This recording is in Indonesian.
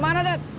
mau kemana debs